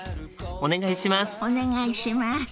お願いします。